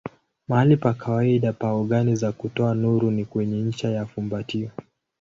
Mahali pa kawaida pa ogani za kutoa nuru ni kwenye ncha ya fumbatio.